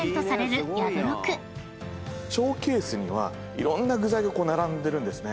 ショーケースにはいろんな具材が並んでるんですね。